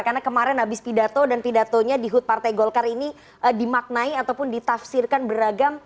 karena kemarin habis pidato dan pidatonya di hut partai golkar ini dimaknai ataupun ditafsirkan beragam